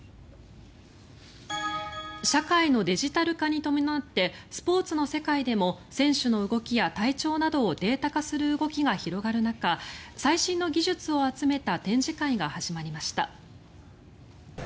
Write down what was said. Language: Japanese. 社会のデジタル化に伴ってスポーツの世界でも選手の動きや体調などをデータ化する動きが広がる中最新の技術を集めた展示会が始まりました。